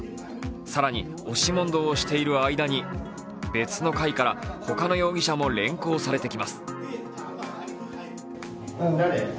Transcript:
更に、押し問答をしている間に、別の階から他の容疑者も連行されてきます。